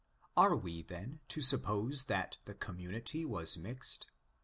Are we, then, to suppose that the com munity was mixed?